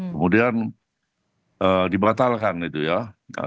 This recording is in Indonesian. kemudian dibatalkan itu ya